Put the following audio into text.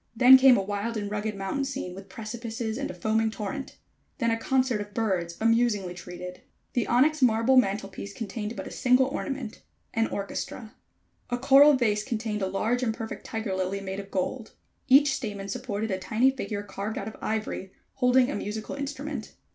Then came a wild and rugged mountain scene with precipices and a foaming torrent. Then a concert of birds amusingly treated. The onyx marble mantel piece contained but a single ornament an orchestra. A coral vase contained a large and perfect tiger lily, made of gold. Each stamen supported a tiny figure carved out of ivory, holding a musical instrument.